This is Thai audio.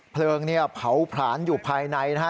เพลิงเนี่ยเผาผลาญอยู่ภายในนะฮะ